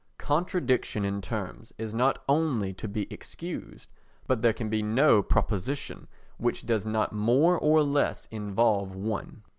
Contradiction in terms is not only to be excused but there can be no proposition which does not more or less involve one.